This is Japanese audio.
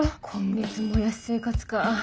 今月もやし生活か。